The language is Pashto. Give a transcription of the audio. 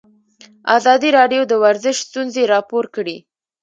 ازادي راډیو د ورزش ستونزې راپور کړي.